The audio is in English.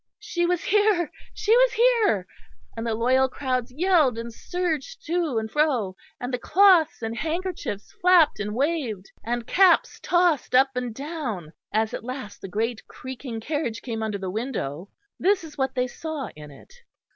She was here; she was here; and the loyal crowds yelled and surged to and fro, and cloths and handkerchiefs flapped and waved, and caps tossed up and down, as at last the great creaking carriage came under the window. This is what they saw in it.